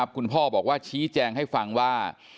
คุณพ่อบอกว่าชี้แจงให้ฟังว่า